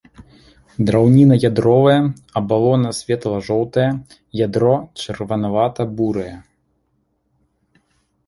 Драўніна ядровая, абалона светла-жоўтая, ядро чырванавата-бурае.